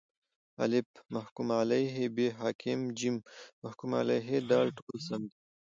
الف: محکوم علیه ب: حاکم ج: محکوم علیه د: ټوله سم دي